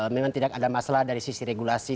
memang tidak ada masalah dari sisi regulasi